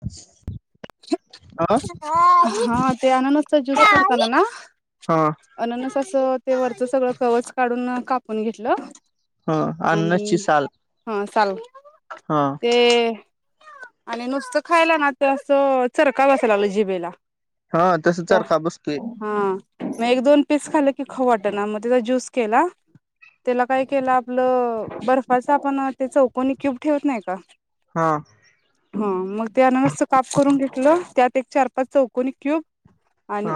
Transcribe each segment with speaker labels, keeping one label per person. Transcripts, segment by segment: Speaker 1: बम
Speaker 2: हा ते अननचा ज्यूस करला ना
Speaker 1: हा
Speaker 2: अननस असं ते वरचं सगळं कवर्च काढून कापून घेतलं
Speaker 1: हा
Speaker 2: आणि
Speaker 1: अन्नाची साल
Speaker 2: हा चाल
Speaker 1: हा
Speaker 2: ते आणि नुसतं खायला ना तर असं चरका बसाय लागलं जिबेला
Speaker 1: हा तस
Speaker 2: त्या
Speaker 1: चरखा बसतोय
Speaker 2: हा एक दोन पीस खाल् की ख वाट ना मग त्याचा ज्यूस केला त्याला काय केलं आपलं बर्फाच आपण ते चौकोनी क्यूब ठेवत नाही का
Speaker 1: हा
Speaker 2: ह मग त्या अनस्त काप करून घेतलं त्यात एक चार पाच चौकनी क्यूब आणि
Speaker 1: हा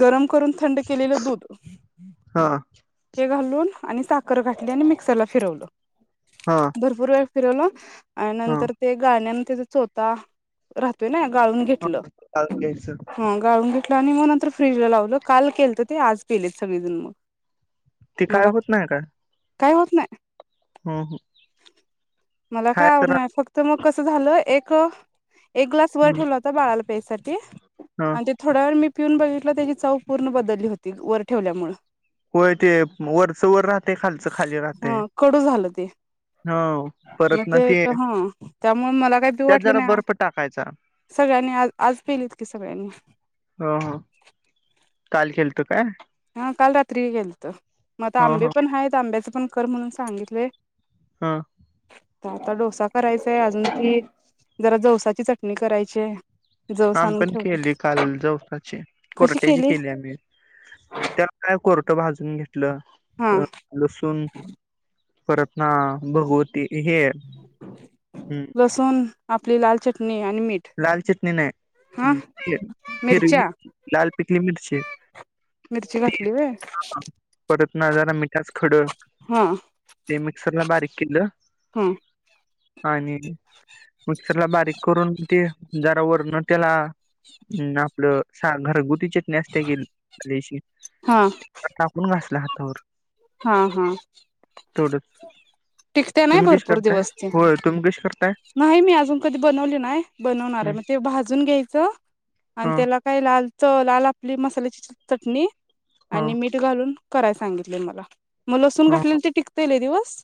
Speaker 2: गरम करून थंड केलेलं दूध
Speaker 1: हा
Speaker 2: हे घालून आणि साखर घली आणि मिक्सरला फिरवलं
Speaker 1: हा
Speaker 2: भरपूर वेळ फिरलं आणि
Speaker 1: हा
Speaker 2: नंतर ते गाण्यान त्याचा चोता राहतोय ना गाळून
Speaker 1: हा
Speaker 2: घेतलं
Speaker 1: चालत घ्यायचं
Speaker 2: ह गाळून घ आणि मग नंतर फ्रीज लावलं काल केलत ते आज पेलेत सगळेजण मग
Speaker 1: ते काय
Speaker 2: मला
Speaker 1: होत नाही का
Speaker 2: काय होत नाही मला
Speaker 1: हाय
Speaker 2: काय
Speaker 1: तर
Speaker 2: आवडणार फक्त मग कसं झालं एक एक ग्लास वर ठेवला होता बाळाला पेयसाठी
Speaker 1: ह
Speaker 2: आणि ते थोड्या व मी पिऊन बघित ला त्याची चव पूर्ण बदलली होती वर ठेवल्यामुळे
Speaker 1: होय ते वरचं वर राहते खालचं खाली राहते
Speaker 2: ह कडू झालं ते
Speaker 1: हा परत ना ते
Speaker 2: मग मला काही बी
Speaker 1: त्यात
Speaker 2: वाटलं
Speaker 1: जरा
Speaker 2: ना
Speaker 1: बर्फ टाकायचा
Speaker 2: सगळ्यांनी आज आज पेलीत की सगळ्यांनी
Speaker 1: ह ह काल खेळतो
Speaker 2: हा काल रात्री गेल तर मग आता
Speaker 1: ह
Speaker 2: आंबे
Speaker 1: ह
Speaker 2: पण आहेत आंब्याचं पण कर म्हणून सांगितलंय
Speaker 1: हा
Speaker 2: तर आता डोसा करायचाय अजून की जरा जोसाची चटणी करायचीय
Speaker 1: आम् पण केली काल जवसाची कोरट्याची केली आम्ही त्याला काय कोरटं भाजून घेतलं
Speaker 2: हा
Speaker 1: लसूण परत ना भगवती हे हम्
Speaker 2: लसूण आपली लाल चटणी आणि मीठ
Speaker 1: लाल चटणी
Speaker 2: हा
Speaker 1: नाही हिर
Speaker 2: मिरच्या
Speaker 1: मि लाल पिकली मिरची
Speaker 2: मिरची घातली व्हय
Speaker 1: परत ना जरा मिठाच खड
Speaker 2: हा
Speaker 1: ते मिक्सरला बारीक केल्लं
Speaker 2: हा
Speaker 1: आणि मिक्सर ला बारीक करून जरावरण त्याला अ आपलं घरगुती टण्या असते
Speaker 2: हा
Speaker 1: गेापून घासला हातावर
Speaker 2: हा हा
Speaker 1: तेवढंच
Speaker 2: टिकत नाही
Speaker 1: तुम्ही कशी
Speaker 2: भरपूर
Speaker 1: करताय
Speaker 2: दिवस ते
Speaker 1: होय तुम्ही कशी करताय
Speaker 2: नाही मी अजून कधी बनवली नाही बनवणार
Speaker 1: हं,
Speaker 2: आहे म ते भाजून घ्यायचं आणि
Speaker 1: हं,
Speaker 2: त्याला काय लाल च लाल आपली मसाल्याची चटणी
Speaker 1: हं,
Speaker 2: आणि मीठ घालून कराय सांगितले मला मग लसून
Speaker 1: हं.
Speaker 2: घाठलेल ते टिकताईल दिवस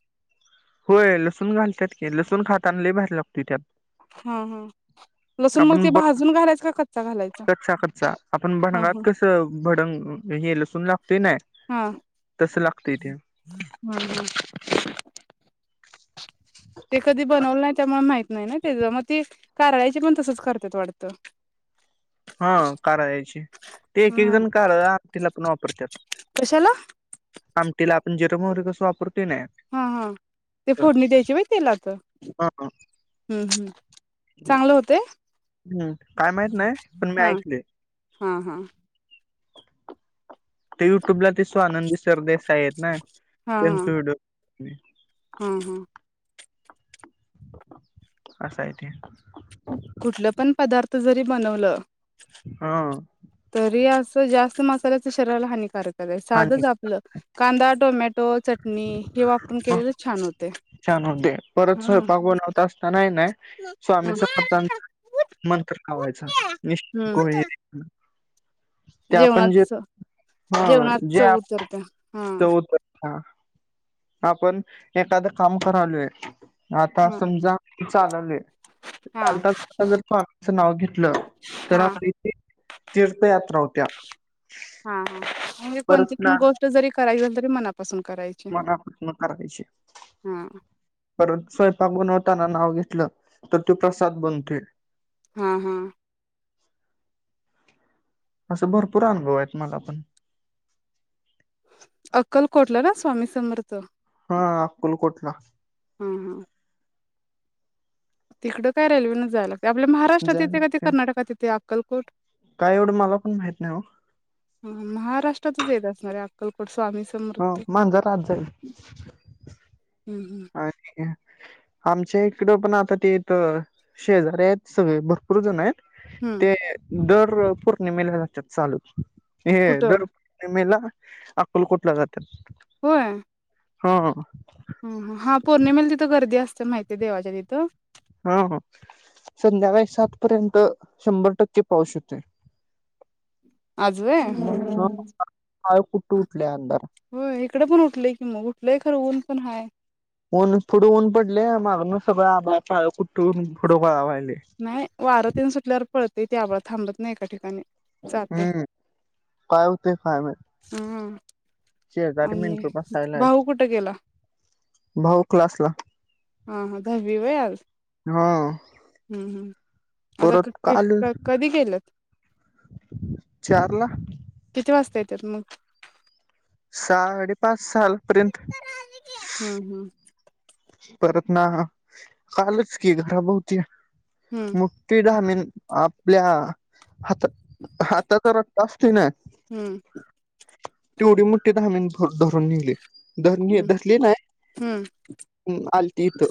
Speaker 1: होय लसूण घालतत की लसूण खाताना ल बाहेयला लागतो त्यात
Speaker 2: हा हम
Speaker 1: आपण ब
Speaker 2: घालायचा
Speaker 1: रक्ष कचा आपण
Speaker 2: हा
Speaker 1: भडंगात
Speaker 2: हा
Speaker 1: कस भडंग ह हल सुला
Speaker 2: हा हम्
Speaker 1: ते
Speaker 2: हम ते कधी बनवलं नाही त्यामुळे माहिित नाही नाही तेच मग ते करायाचे पण तसच करतात वाटत
Speaker 1: हा कार यायची ते एक एक
Speaker 2: हा
Speaker 1: जण कार आप तिला पण वापरतात
Speaker 2: कशाला
Speaker 1: आमटीला आपण जिर वगरे कसं वापरतो
Speaker 2: हा हा ते फोडणी द्यायची बाय तेलाच
Speaker 1: हा
Speaker 2: हम्म हम्म चांगलं होते
Speaker 1: हम्म काय माहित नाही पण मी
Speaker 2: हा हां हां
Speaker 1: तर युट्यूबला ते स्ो आनंदी सरदेसा आहेत ना त्यांचड
Speaker 2: हम हम
Speaker 1: अससाा आहेथ
Speaker 2: कुठलं पण पदार्थ जरी बनवलं
Speaker 1: हा
Speaker 2: तरी असं जास्त मसाल्याच शरीराला हानिकारक
Speaker 1: आणि
Speaker 2: साधच आपलं कांदा टोमॅटो चटणी हे वापरून केलेलं छान होते
Speaker 1: छान होते परत
Speaker 2: हा
Speaker 1: स्वयंपाक बनवत असतानाही नाही स्वामी
Speaker 2: हा
Speaker 1: समर्थां मंत्र लावायचा
Speaker 2: हम्म
Speaker 1: को ते आपण जे
Speaker 2: जेवणाच
Speaker 1: हा
Speaker 2: जेवणात
Speaker 1: जे
Speaker 2: चव उतरते हा
Speaker 1: चौत आपण एखादं काम क आलोय आता
Speaker 2: हा
Speaker 1: समजा चाललेय
Speaker 2: हा
Speaker 1: चालता जर त आहीचं नाव घेत तर
Speaker 2: हा
Speaker 1: आप इथे तीर्थयात्रा होत्या
Speaker 2: हा म्हणजे
Speaker 1: परत
Speaker 2: कोणती पण गोष्ट जरी करायचील तरी मनात
Speaker 1: मला प्र नकारयचे
Speaker 2: हा
Speaker 1: परत स्वयंपाक बनवताना नाव घेतलं तर ते प्रसाद बनते
Speaker 2: हा हा
Speaker 1: असं भर पुराण गव आहेत मला पण
Speaker 2: अक्कलकोटला ना स्वामी समर्थ
Speaker 1: हा अकुलकोटला
Speaker 2: हम्म हम् तिकड काय रेल्वे न जायला लागते आपल्या महाराष्ट्रात येते का ते
Speaker 1: जायला
Speaker 2: कर्नाटकात येते अक्कल
Speaker 1: काय एवढं मला पण माहित नाही
Speaker 2: माराष्ट्रात येत अकको स्वामी
Speaker 1: हो
Speaker 2: समृद्ध
Speaker 1: मांजर आत अच्छा आमच्या इकड पण आता तेथ शेजार्या आहेत सगळे भरपूर जण आहेत
Speaker 2: हं,
Speaker 1: ते दर पौर्णिमेलातात चालू हे
Speaker 2: कुठं?
Speaker 1: दर पूर्णमेला अकलकोटला जातात
Speaker 2: हो
Speaker 1: हा
Speaker 2: ह ह हा पौर्णिमेला तिथं गर्दी असते माहितीये देवाच्या तिथं
Speaker 1: हा संध्याकाळी सात पर्यंत शंभर टक्के पाऊस होते मयलदधृयभत
Speaker 2: अजवे
Speaker 1: काळ कुट्टू उठले अंदर
Speaker 2: हो इकडं पण उठलंय की मग उठलंय खरं ऊन पण हाय
Speaker 1: ऊन पुढं ऊन पडले मागून सगळं आबापा कुठून पुढं पवाला
Speaker 2: नाही वारं तन सुटल्यावर पडते ते आबळ थांबत नाही एका ठिकाणी जातंय.
Speaker 1: हम्म काय होते काय म
Speaker 2: हं आणि
Speaker 1: बसायला आहेत
Speaker 2: भाऊ कुठे गेला
Speaker 1: भाऊ क्लासला
Speaker 2: आ दब होय आल
Speaker 1: हा
Speaker 2: हम्म हम्
Speaker 1: परत
Speaker 2: आता कधी गेलंत
Speaker 1: चारला
Speaker 2: किती वाजता येत मग
Speaker 1: साडेपाच साल पर्यंत
Speaker 2: हं, हं.
Speaker 1: परत ना कालच क घरा बती
Speaker 2: हं,
Speaker 1: मुठठी दहा म आपल्या आता आता तरती ना
Speaker 2: हं,
Speaker 1: तेवढी मोठी ध्मी धरून निघली ध
Speaker 2: हं,
Speaker 1: धरली नाय
Speaker 2: हं,
Speaker 1: आलती इथ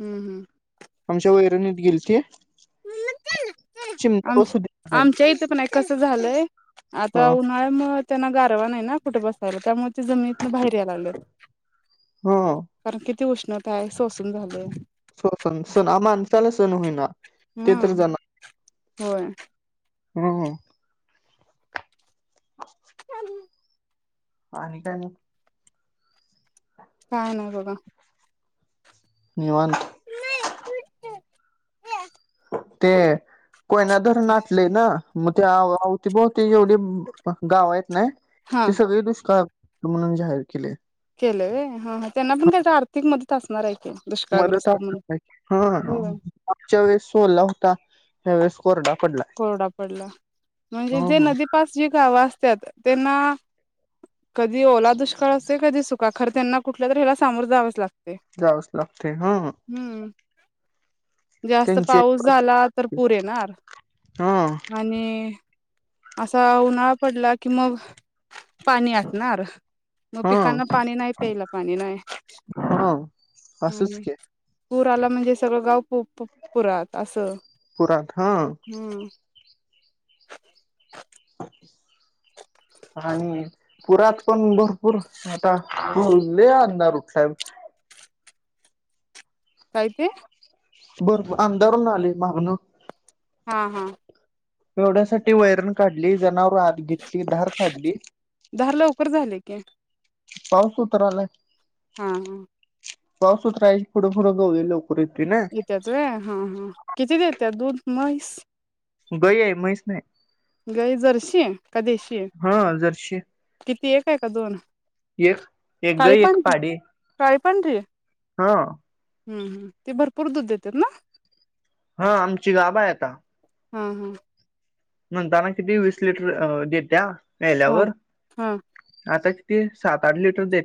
Speaker 2: हं, हं.
Speaker 1: आमच्या वैरणीत गेलती चिमटा बसू दिला
Speaker 2: आमच्या
Speaker 1: नाही
Speaker 2: आमच्या इथं पण आहे कसं झालंय आता
Speaker 1: ह
Speaker 2: उन्हाळ्या म त्यांना गारवा नाही ना कुठे बसायला त्यामुळे जमितन बाहेर यायला लागले
Speaker 1: ह
Speaker 2: कारण किती उष्णता आहे सोसून झालेय
Speaker 1: सण सण ह माणसाला सण होईना ते
Speaker 2: हा
Speaker 1: तर जण
Speaker 2: होय
Speaker 1: हम्म ह आणि काय ना
Speaker 2: काय नाही बघा
Speaker 1: निवान ते कोयना तरर नाटले ना मग ते आ आवती बती जेवढी गाव आहेत नाही
Speaker 2: हा
Speaker 1: ती सगळी दुष्काळ म्हणून जाहीर केले
Speaker 2: केलं र ह त्यांना पण का आर्थिक मदत असणार आहे की
Speaker 1: मत
Speaker 2: दुष्काळग्रस्त म्हणून
Speaker 1: हा
Speaker 2: होय
Speaker 1: आच्या वेळेसला होता त्या वेळेस कोरडा पडलाय
Speaker 2: कोरडा पडला म्हणजे
Speaker 1: हो
Speaker 2: जे
Speaker 1: हो
Speaker 2: नदीपास जी गावं असतात त्यांना कधी ओला दुष्काळ असते कधी सुका खर त्यांना कुठल्या तरी हला सामोर जावंच लागतं
Speaker 1: जाऊस लागते हा
Speaker 2: जास्त
Speaker 1: त्यांची एक
Speaker 2: पाऊस
Speaker 1: परिस्थिती
Speaker 2: झाला तर पुर येणार
Speaker 1: हा
Speaker 2: आणि असा उन्हाळा पडला कि मग पाणी आणार मग
Speaker 1: हा
Speaker 2: पिकांना पाणी नाही प्यायला पाणी नाही
Speaker 1: अससुच के
Speaker 2: पुूर आला म्हणजे सगळं गाव पु पुरात असं
Speaker 1: पुररा हा
Speaker 2: हम्म
Speaker 1: बाकीे आणि पुरात पण भरपूर आता भोलले अंधार उठला मलमृवलब़द
Speaker 2: कायती
Speaker 1: भरपूर आमदारून आले मागन
Speaker 2: हा हा
Speaker 1: पेवडण्यासाठी वैरण काढली जना आात घेतली धार फडली
Speaker 2: धार लवकर झाले की
Speaker 1: पाऊस उतर आलाय
Speaker 2: हा हम
Speaker 1: पावसतरा पुोढं फुं गऊ लोक
Speaker 2: येत्यात रे हा हा किती देते दूध मैस
Speaker 1: गय आहे म्हैच नाही
Speaker 2: गई जरशी का देशी आहे
Speaker 1: हा जर्शी
Speaker 2: किती एक आहे का दोन
Speaker 1: एक एक
Speaker 2: काचाळी
Speaker 1: गाय
Speaker 2: प
Speaker 1: एक पाडी
Speaker 2: चाळी पज
Speaker 1: हा
Speaker 2: हम्म हम ते भरपूर दूध देते ना
Speaker 1: हा आमची गाबा आहे आता
Speaker 2: हम् हम्
Speaker 1: नंतना किती वीस लिटर देत्या
Speaker 2: हा
Speaker 1: यायल्यावर
Speaker 2: हा
Speaker 1: आता तेी सात आठ लिटर दे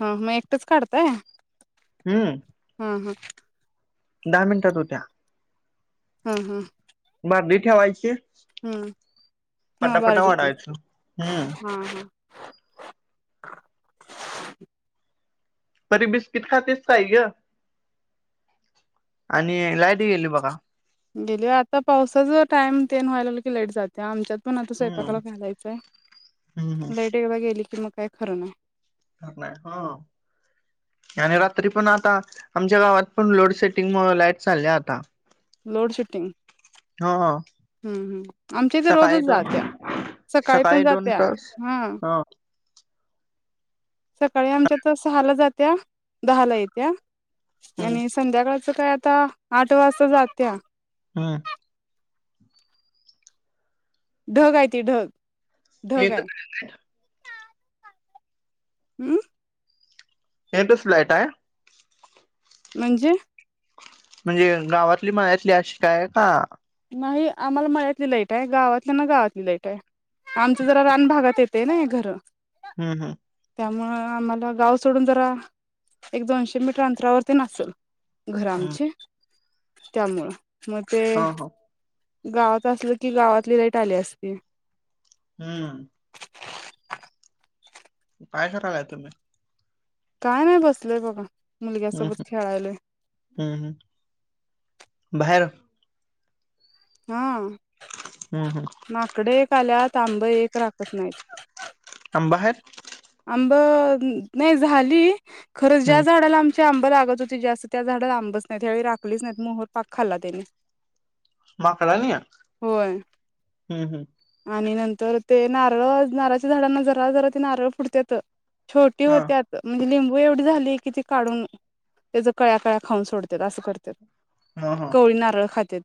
Speaker 2: हा मग एकटेच काढतय
Speaker 1: हम्म
Speaker 2: ह हा
Speaker 1: दहा मिनिटात होत्या
Speaker 2: हा हा
Speaker 1: ार दठावायचे
Speaker 2: हम् हा बरत
Speaker 1: वाढायचं
Speaker 2: हा
Speaker 1: हम्म
Speaker 2: हा हयलललललहषबब
Speaker 1: तरी बिस्किट खातस का आहे ग आणि लायट गेली बघा.
Speaker 2: गेली आता पावसाचा टाइम तेन व्हायला की लेट जाते आमच्यात पण आता स्वयंपाकाला
Speaker 1: हम्म
Speaker 2: घालायचंय
Speaker 1: हम्म
Speaker 2: लाईट एव गेली की मग काय खरं ना आहे
Speaker 1: घ नाही हा आणि रात्री पण आता आमच्या गावात पण लोड शेडिंग म लाईट चालल्या आता
Speaker 2: लोड शेटिंग
Speaker 1: हा ह
Speaker 2: हम्म हम्म आमच्या इथे
Speaker 1: सकाळी
Speaker 2: रोजच
Speaker 1: दोन
Speaker 2: जात्या
Speaker 1: सकाळी दोन तास हा
Speaker 2: सकाळी आमच्यात सहाला जात्या दहाला येत्या
Speaker 1: हम्म
Speaker 2: आणि संध्याकाळ अस काय आता आठ वाजता जात त्या
Speaker 1: हम्म
Speaker 2: ढग आहे त ढग
Speaker 1: हे
Speaker 2: ढग आहे
Speaker 1: तर
Speaker 2: हम्म
Speaker 1: एट फ्लईट आहे
Speaker 2: म्हणजे
Speaker 1: म्हणजे गावातली माया्यातली अ शिका आहे का
Speaker 2: नाही आम्हाला मळ्यातली लाईट आहे गावातल्या ना गावातली लाईट आहे आमचं जरा रान भागात येते ना हे घर
Speaker 1: हम्म हम्म
Speaker 2: त्यामु आम्हाला गाव सोडून जरा एक दोनशे मीटर अंतरावरती नसेल घर
Speaker 1: हम्म
Speaker 2: आमचे त्यामुळं मग ते
Speaker 1: हा हा
Speaker 2: गावात असलं की गावातली लाईट आली असते
Speaker 1: हम्म काय करायलाय तुम्ही
Speaker 2: काय नाही बसलय बघा
Speaker 1: हम्म
Speaker 2: मुलग्यासोबत खेळायला
Speaker 1: हम्म हम्म हम्म बाहेर
Speaker 2: हा
Speaker 1: हम्म हम्म
Speaker 2: माकडे आल्यात तांब एक राखत नाहीत
Speaker 1: आंबा आहेत
Speaker 2: आंब नाही झाली खरच ज्या
Speaker 1: हम्म
Speaker 2: झाडाला आम आंब लागत होती जास्त त्या झाडाला आंबच नाही त्यावेळी राखलीच नाही मोहर पाक खाल्ला त्याने
Speaker 1: माकड नाही या हम्म हम्म
Speaker 2: आणि नंतर ते नारळ नारळाच्या झाडांना जरा जरा ते नारळ फुटत येत छोटी
Speaker 1: हा
Speaker 2: होते्या म्हणजे लिंब व एवढी झाली की ती काढून त्याच कळ्या कळ्या खाऊन सोडत असं करत
Speaker 1: हा हा
Speaker 2: कोवळी नारळ खात